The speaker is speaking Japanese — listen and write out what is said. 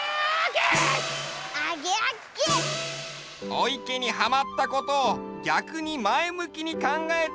おいけにはまったことをぎゃくにまえむきにかんがえてるのがいいね！